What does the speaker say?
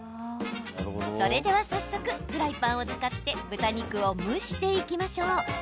それでは早速フライパンを使って豚肉を蒸していきましょう。